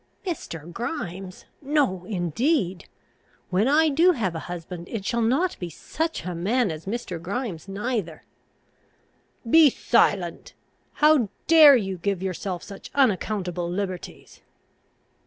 "Mr. Grimes! No, indeed! when I do have a husband, it shall not be such a man as Mr. Grimes neither." "Be silent! How dare you give yourself such unaccountable liberties?"